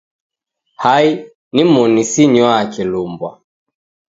Hai, nimoni sinywaa kilumbwa!